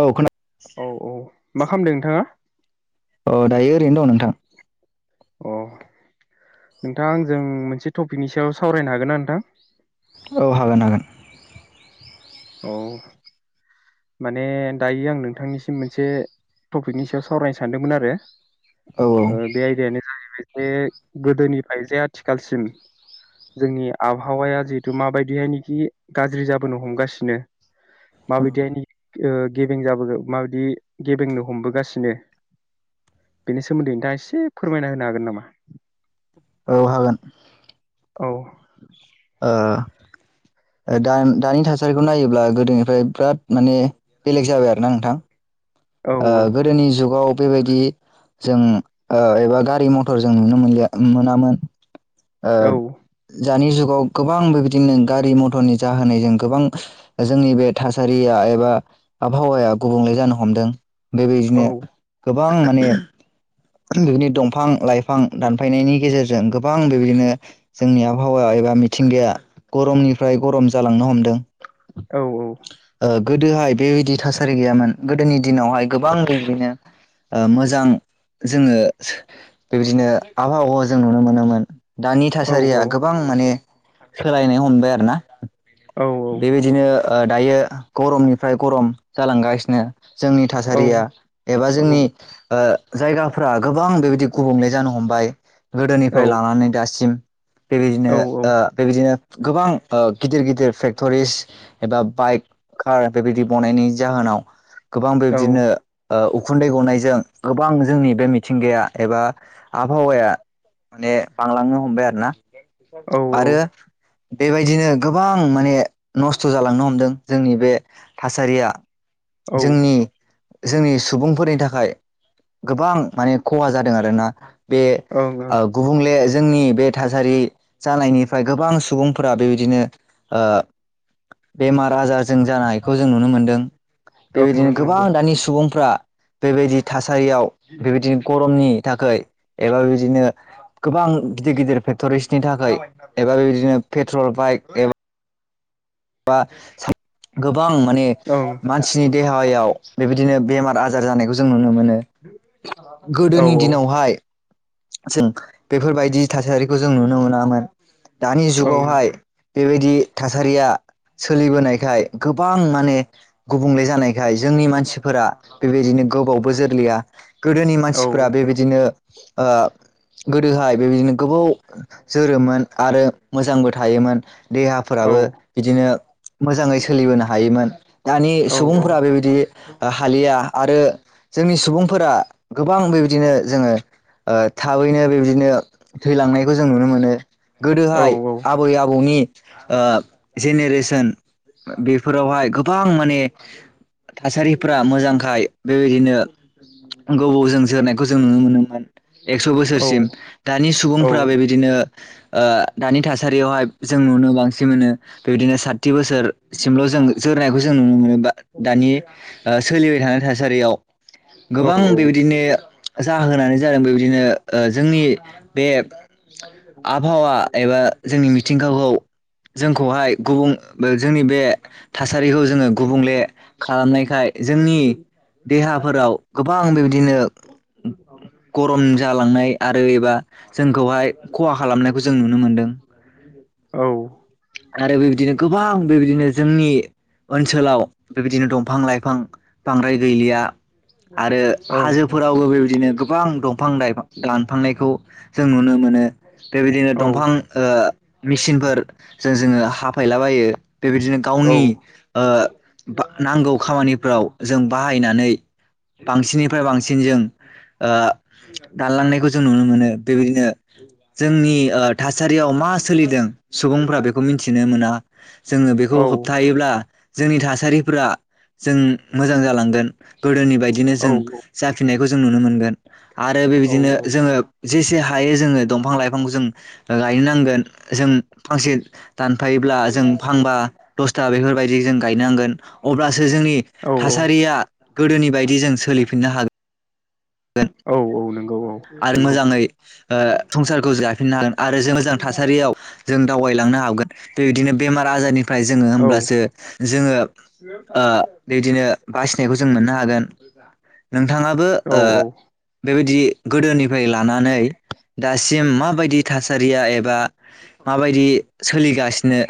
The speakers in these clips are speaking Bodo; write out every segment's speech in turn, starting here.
औ खोना औ औ मा खामदों नोंथाङा? अ दायो ओरैनो दं नोंथां अ नोंथां आंजों मोनसे टपिकनि सायाव सावरायनो हागोन ना नोंथां? औ हागोन हागोन औ माने दायो आं नोंथांनिसिम मोनसे टपिकनि सायाव सावरायनो सानदोंमोन आरो औ औ ओ बे गोदोनिफाय जे आथिखालसिम जोंनि आबहावाया जिहेथु माबायदियै मिथि गाज्रि जाबोनो हमगासिनो मा बिदियानि ओ गेबें जाबो गो माबायदि गेबेंनो हमबोगासिनो बेनि सोमोन्दै नोंथाङा एसे फोरमायना होनो हागोन नामा? औ हागोन औ ओ ओ दान-दानि थासारिखौ नायोब्ला गोदोनिफ्राय बिराद माने बेलेग जाबाय आरोना नोंथां ओ औ गोदोनि जुगाव बेबायदि जों ओ एबा गारि मथर जों नुनो मोनलिया उम मोनामोन ओ औ जानि जुग गाव गोबां बेबायदिनो गारि मथरनि जाहोनायजों गोबां जोंनि बे थासारिया एबा आबहावाया गुबुंले जानो हमदों औ बेबायदिनो गोब बां माने [unintelligible] दंफां -लाइफां दानफायनायनि गेजेरजों गोबां बेबायदिनो जोंनि आबहावा एबा मिथिंगाया गरमनिफ्राय गरम जालांनो हमदों औ औ ओ गोदोहाय बेओइदि थासारि गैयामोन गोदोनि दिनावहाय गोबां बेदिनो ओ मोजां जोङो सो बेबायदिनो आबहावाव जों नुनो मोनोमोन दानि थासारिया गोबां औ माने सोलायनो हमबाय आरो ना औ बेबायदिनो ओ दायो गरमनिफ्राय गरम जालांगासिनो जोंनि औ थासारिया एबा औ जोंनि ओ जायगाफोरा गोबां बेबायदि गुबुंले जानो हमबाय औ गोदोनिफ्राय लानानै दासिम औ बेबायदिनो ओ बेबायदिनो गोबां ओ गिदिर गिदिर फेक्ट'रिस एबा बाइक कार बेबायदि बनायनि जाहोनाव गोबां औ बेबदिनो ओ उखुन्दै गनायजों गोबां जोंनि बे मिथिंगाया एबा आबहावाया माने बांलांनो हमबाय आरोना औ आरो बेबायदिनो गोबां माने नस्थ' जालांनो हमदों जोंनि बे थासारिया ओं जोंनि जोंनि सुबुंफोरनि थाखाय गोबां माने खहा जादों आरोना बे ओं ओं आ गुबुंले जोंनि बे थासारि जानायनिफ्राय गोबां सुबुंफोरा बेबायदिनो ओ बेमार आजार जों जानायखौ जों नुनो मोनदों ओं बेबायदिनो गोबां नंगौ दानि सुबुंफ्रा बेबायदि थासारियाव बेबायदिनो गरमनि थाखाय एबा बेबायदिनो गोबां गिदिर गिदिर फेक्ट'रिसनि थाखाय एबा बेबायदिनो पेट्रल बाइक एबा गोब गोबां माने ओं मानसिनि देहायाव बेबायदिनो बेमार आजार जानायखौ जों नुनो मोनो औ गोदोनि दिनावहाय जों बेफोरबायदि थासारिखौ जों नुनो मोनामोन दानि औ ओं जुगावहाय बेबायदि थासारिया सोलिबोनायखाय गोबां माने गुबुंले जानायखाय जोंनि मानसिफोरा बेबायदिनो गोबावबो जोरलिया गोदोनि औ मानसिफ्रा बेबायदिनो [inaudible] ओ गोदोहाय बेबायदिनो गोबाव जोरोमोन आरो मोजांबो थायोमोन देहाफोराबो बिदिनो मोजाङै सोलिबोनो हायोमोन दानि औ सुबुंफोरा बेबायदि दा हालिया आरो जोंनि सुबुंफोरा गोबां बेबायदिनो जोङो ओ थाबैनो बेबायदिनो थैलांनायखौ जों नुनो मोनो औ गोदोहाय आबै आबौनि आ जेनेरेसोन बेफोरावहाय गोबां माने थासारिफ्रा मोजांखाय बेबायदिनो गोबावजों जोरनायखौ जों नुनो मोनोमोन। एक्स' औ बोसोरसिम दानि सुबुंफ्रा बेबायदिनो ओ दानि थासारियावहाय जों नुनो बांसिन मोनो बेबायदिनो साथि बोसोरसिमल' जों जोरनायखौ जों नुनो मोनो बा दानि सोलिबाय थानाय थासारियाव गोबां औ बेबायदिनो जाहोनानो जादों बेबायदिनो जोंनि बे आबहावा एबा जोंनि मिथिंगाखौ जोंखौहाय गुबुं जोंनि बे थासारिखौ जोङो गुबुंले खालामनायखाय जोंनि देहाफोराव गोबां बेबायदिनो गरम जालांनाय आरो एबा जोंखौहाय खहा खालामनायखौ जों नुनो मोनदों। औ आरो बेबायदिनो गोबां बेबायदिनो जोंनि ओनसोलाव बेबायदिनो दंफां लाइफां बांद्राय गैलिया आरो ओं ओं हाजोफोरावबो बेबायदिनो गोब बां दंफां लाइफां लांफांनायखौ जों नुनो मोनो बेबायदिनो औ दंफां ओ मिसिनफोर जों जोङो हाफायलाबायो बेबायदिनो गावनि ओ बा नांगौ खामानिफ्राव जों बाहायनानै बांसिननिफ्राय बांसिन जों ओ दानलांनायखौ जों नुनो मोनो बेबायदिनो जोंनि ओ थासारियाव मा सोलिदों सुबुंफोरा बेखौ मिथिनो मोना जोङो बेखौ होबथायोब्ला जोंनि थासारिफ्रा जों मोजां जालांगोन गोदोनि औ बायदिनो औ जों जाफिनायख खौ जों नुनो मोनगोन आरो बेबायदिनो जोङो जेसे हायो जोङो दंफां लाइफांखौ जों ओ गायनो नांगोन जों फांसे दानफायोब्ला जों फांबा दसथा बेफोरबायदि जों गायनांगोन अब्लास सो जोंनि औ थासारिया गोदोनि बायदि जों सोलिफिननो हा गोन औ नंगौ औ आरो नंगौ मोजाङै ओ संसारखौ जाफिननो हागोन आरो जों मोजां थासारियाव जों दावबायलांनो हागोन बेबायदिनो बेमार आजारनि फ्राय जोङो औ होमब्लासो जोङो ओ बिदिनो बासिनायखौ जों मोननो हागोन नोंथाङाबो ओ औ औ बेबायदि गोदोनिफ्राय लानानै दासिम माबायदि थासारिया एबा माबायदि सोलिगासिनो?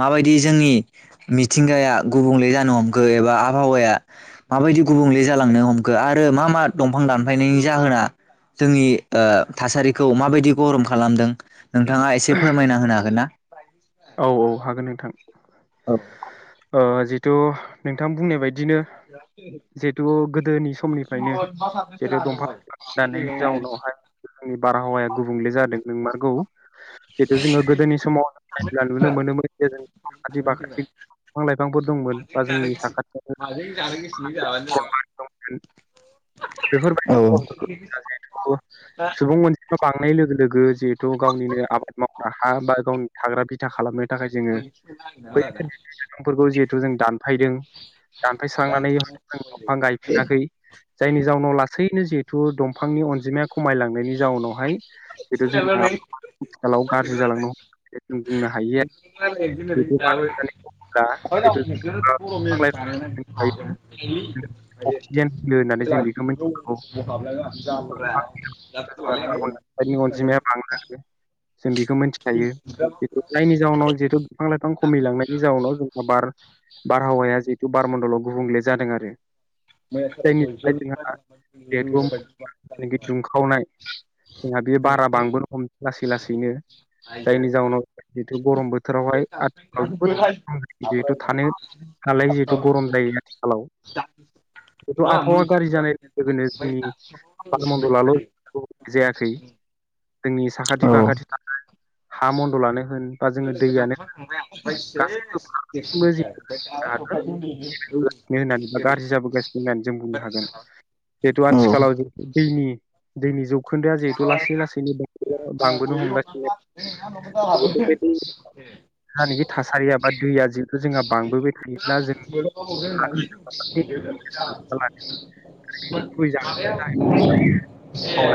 माबायदि जोंनि मिथिंगाया गुबुंले जानो हमखो एबा आबहावाया माबायदि गुबुंले जालांनो हमखो आरो मा मा दंफां दानफायनायनि जाहोना जोंनि ओ थासारिखौ माबायदि गरम खालामदों? नोंथाङा एसे फोरमायना होनो हागोन ना? औ औ हागोन नोंथां औ ओ जिथु नों नोंथां बुंनाय बायदिनो जिहेथु गोदोनि समनिफ्रायनो जिहेथु दंफां दाननायनि जाउनावहाय जोंनि बारहावाया गुबुंले जादों नोंमारगौ जितु जोङो गोदोनि समाव नुनो मोनोमोन जेरै साखाथि फाखाथि दंफां लाइफांफोर दंमोन बा जोंनि साखाथियावनो अरनबारि दंमोन बेफोर औ बादि सुबुं अनजिमा बांनाय लो लोगो लोगो जि थु गावनिनो आबाद माव हा बा गावनि थाग्रा बि था खालामनाय थाखाय जोङो बै लाइफांफोरखौ जिहेथु जों दानफायदों दानफायस्रांनानै जों दंफां गायफिनाखै जायनि जाउनाव ला गासैनो जिहेथु दंफांनि अनजिमाया खमायलांनायनि जाउनावहाय जिथु जोंनिया आथिखालाव गाज्रि जालांनो [unintelligible] बुंनो हायो। बेखौ मानो होननानै बुङोब्ला जिहेथु बिफां लाइफां थायो अक्सिजेन होयो होननानै जों बेखौ मिथिगौ [unintelligible] [unintelligible] अनजिमा बां जों बेखौ मिनथिखायो जिथु जायनि जाउनाव जिहेथु लाइफां खमिलांनायनि जाउनाव जोंहा [unintelligible] बारहावाया जिहेतु बारमन्दलाव गुबुंले जादों आरो जायनि जाय जोंहा जिहेथु [unintelligible] दुंखावनाय जोंहा बे बारा बांबोनो हमदों लासै लासैनो जायनि जाहोनाव जिथु गरम बोथोरावहाय आथिखालाव जोबोद जिथु थानो हालाय जिहेतु गरम जायो आथिखालाव बेथ' आबहावा गाज्रि जानाय लोगोनो जोंनि बालमणन्दलाल' जायाखै जोंनि औ साखाथि फाखाथि थानाय हा मन्दलानो हो बा जोङो दैयानो गासैबो फारफ्रोमथिंबो जिहेथु हागोन औ होननानै बा गाज्रि जाबोगासिनो होननानै जों बुंनो हागोन जिहेथु आथिखालाव जिहेथु दैनि [unintelligible] दैनि जुग बांबोनो हमगासिनो [unintelligible] जानखि थासारिया बा दैया जिहेथु जोंहा बांबोबाय थायोब्ला जों ह लानाय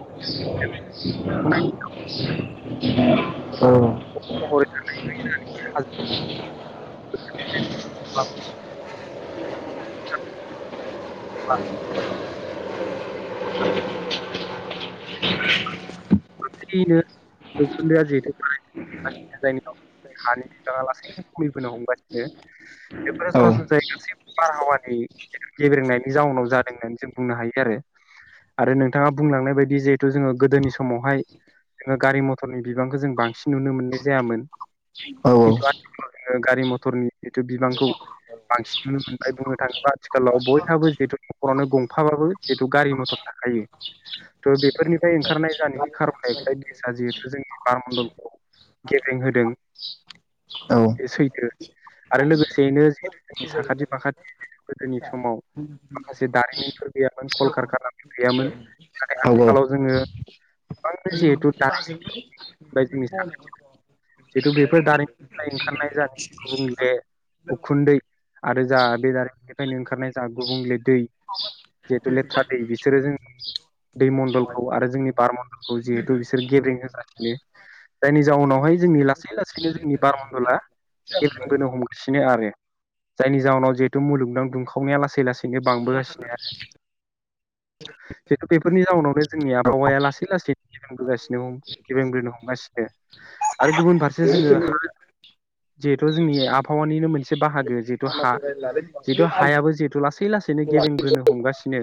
[unintelligible] [unintelligible] औ [unintelligible] महरै लासैनो [unintelligible] आ। [unintelligible] [inaudible] लासैनो उखुन्दैआ जिथ ला जायनि हानि बिफाङा लासैनो खमिबोनो हमगासिनो बेफोरो औ सरासनस्रायै गासै बारहावा गेब्रेंनायनि जाउनाव जादों होननानै जों बुंनो हायो आरो आरो नोंथाङा बुंलांनाय बायदि जिहेथु जोङो गोदोनि स समावहाय जोङो गारि मथरनि बिबांखौ जों बांसिन नुनो मोननाय जायामोन। औ औ ओ गारि मथरनि जिथु बिबांखौ बांसिन नुनो मोनबाय बुंनो थाङोबा आथिखालाव बयहाबो जिहेथु नखरावनो गं फाबाबो जिहेथु गारि मथर थाखायो थ' बेफोरनिफ्राय ओंखारनाय [unintelligible] गेसआ जिहेथु जोंनि बारमडलखौ गेब्रें होदों बे सैथो आरो लोगोसेयैनो जिथु जोंनि साखाथि फाखाथि गोदोनि समाव माखासे दारिमिनफोर गैयामोन कल कारखानाफोर गैयामोन नाथाय आथिखालाव जोङो [inaudible] जिहेथु [unintelligible] थेथु बेब फोर दारिमिननिफ्राय ओंखारनाय जा गुबुंले उखुन्दै आरो जा बे दारिमिननिफ्रायनो ओंखारनाय जा गुबुंले दै जेहेथु लेथ्रा दै बिसोरो जों दै मन्दलखौ आरो जोंनि बारमडलखौ जिहेतु बिसोर गेब्रेंहोगासिनो जायनि जाउनावहाय जोंनि लासै लासैनो जोंनि बारमन्दला गेब्रेंबोनो हमगासिनो आरो जायनि जाउनाव जिहेतु मुलुगनां दुंखावनाया लासै लासै बिनो बांबोगासिनो आरो। जेतु बेफोरनि जाउनावनो जोंनि आबहावाया लास लासै लासैनो गिब्रेंबोगासिनो गिब्रेंबोनो हमगासिनो। आरो गुबुन फारसे जोङो हा जिहेथु जोंनि आबहावानिनो मोनसे बाहाग जिहेथु हा जितु हायाबो जिहेथु लासै लासैनो गेबेंबोनो हमगासिनो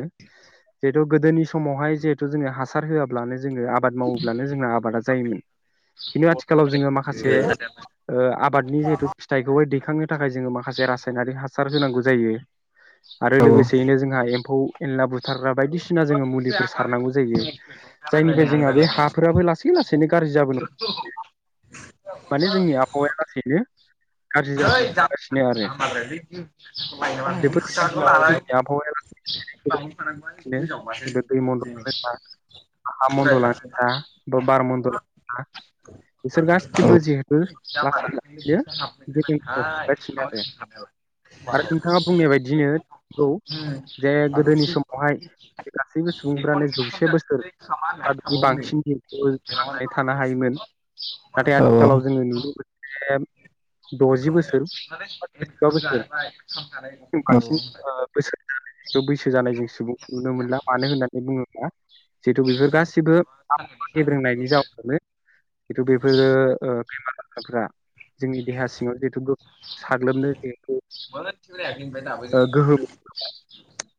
जिहेतु गोदोनि समावहाय जिहेथु जोङो हासार होआ ब्लानो जोङो आबाद मावोब्लानो जोंना आबादा जायोमोन खिन्थु आथिखालाव जोङो माखासे ओ आबादनि जिहेथु फिथाइखौहाय दै थाङो थाखाय जोङो माखासे रासायनारि हा हासार होनांगौ जायो। आरो लोगोसेयैनो जोंहा एम्फौ एनला बुथारग्रा बायदिसिना जोङो मुलिफोर सारनांगौ जायो। जायनिफ्राय जोंहा बे हाफोराबो लासै लासैनो गाज्रि जाबोनो माने जोंनि आबहावाया लासैनो गाज्रि जाबोनो हमगासिनो आरो बेफोर जोंनि आबहावाया लासैनो दै मन्दलानो जा [unintelligible] हा मन्दलानो जा बा बार मन्दलानो जा बिसोर औ गासिबो जिहेथु लासै लासैनो गोदान [unintelligible] आरो आरो नोंथाङा बुंनाय बायदिनो नंगौ जे गोदोनि समावहाय बे गासैबो सुबुंफ्रानो जौसे बोसोर बा बिनि बांसिन जिउखौ थांनानै थानो हायोमोन नाथाय औ औ आथिखालाव जोङो नुनो मोनसे द'जि बोसोर बा स्निजिबा बोसोर जों बांसिन औ बोसोर बैसो जानाय जों सुबुं नुनो मोनला मानो होननानै बुङोब्ला जे बेफोर गासिबो [unintelligible] गेब्रेंनायनि जाउनावनो खिन्थु बेफोरो ओ बेमार आजारफ्रा जोंनि देहा सिङाव जिहेथु साग्लोबनो जिहेथु [unintelligible] ओ गोहोम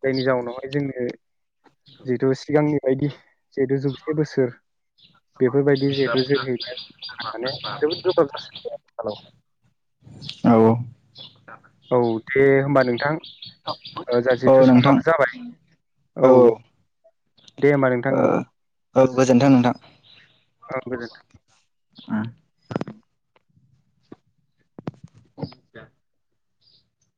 जायनि जाउनावहाय जोंनि ओं जिहेथु सिगांनि बायदि जिहेतु जौसे बोसोर बेफोरबायदि जिहेथु जोहैनो आ माने जोबोद गोब्राब जासै आथिखालाव। औ औ दे होमबा नों थां ओ जा जोंहा औ जिथु नोंथां समाबो जाबाय। औ। दे होमबा नोंथां ओं गोजोनथों नोंथां ओं गोजोन ओम। [unintelligible]